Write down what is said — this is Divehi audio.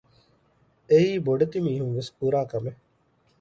އެއީ ބޮޑެތި މީހުންވެސް ކުރާ ކަމެއް